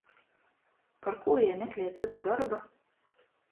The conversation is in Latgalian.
Parkū jei meklej cyta dorba?